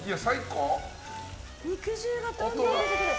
肉汁がどんどん出てくる。